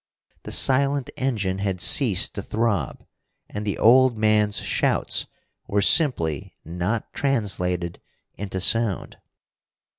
The silent engine had ceased to throb, and the old man's shouts were simply not translated into sound.